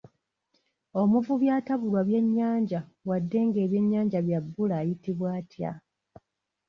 Omuvubi atabulwa byannyanja wadde ng'ebyennyanja bya bbula ayitibwa atya?